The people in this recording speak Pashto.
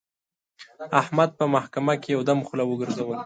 احمد په محکمه کې یو دم خوله وګرځوله.